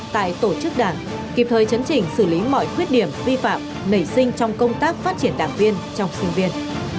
tại tổ chức đảng kịp thời chấn chỉnh xử lý mọi khuyết điểm vi phạm nảy sinh trong công tác phát triển đảng viên trong sinh viên